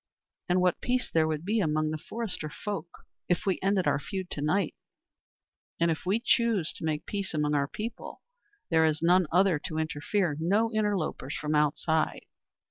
And what peace there would be among the forester folk if we ended our feud to night. And if we choose to make peace among our people there is none other to interfere, no interlopers from outside